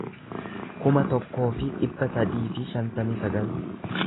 kuma tokkoo fi dhibba sadii fi shantamii sagal